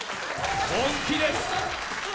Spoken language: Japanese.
本気です